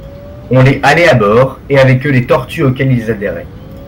On les halait à bord, et avec eux les tortues auxquelles ils adhéraient.